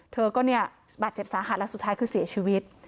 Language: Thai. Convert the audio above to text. เธอก็เนี่ยบาดเจ็บสาหัสแล้วสุดท้ายคือเสียชีวิต